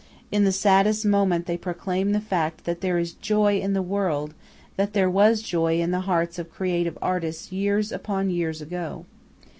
In the saddest moment they proclaim the fact that there is joy in the world, that there was joy in the hearts of creative artists years upon years ago.